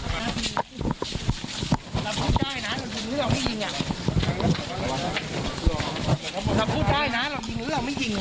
รอบพูดได้นะรอบจริงหรือรอบไม่จริง